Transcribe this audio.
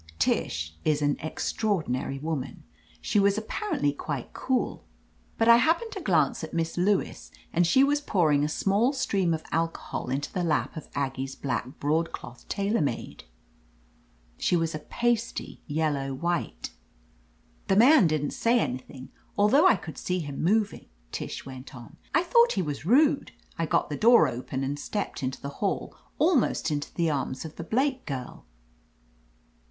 " Tish is an extraordinary woman. She was apparently quite cool, but I happened to glance i8 OF LETITIA CARBERRY at Miss Lewis, and she was pouring a small stream of alcohol into the lap of Aggie's black broadcloth tailor made. She was a pasty yel low white. "The man didn't say anything, although I could see him moving," Tish went on, "I thought he was rude. I got the door open and stepped into the hall, almost into the arms of the Blake girl.